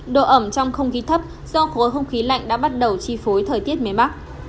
độ ẩm trong không khí thấp do khối không khí lạnh đã bắt đầu chi phối thời tiết miền bắc